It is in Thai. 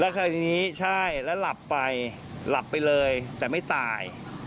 คราวนี้ใช่แล้วหลับไปหลับไปเลยแต่ไม่ตาย